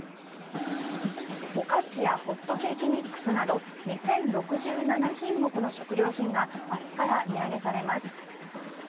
お菓子やホットケーキミックスなど２０６７品目の食料品が明日から値上げされます。